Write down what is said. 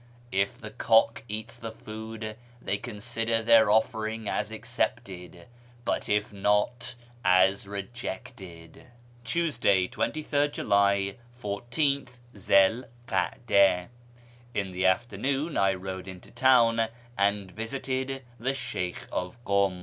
If the cock eats the food, they consider their offering as accepted, but if not, as rejected." Tuesday, 23?yZ Jidy, 14:th Zi 'l Kada. — In the afternoon I rode into town and visited the Sheykh of Kum.